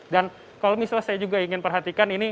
dan kalau misalnya saya juga ingin perhatikan ini